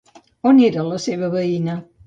On era la seva veïna?